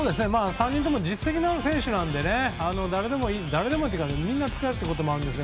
３人とも実績のある選手なんで誰でもいいというかみんな使えるということもあるんですが。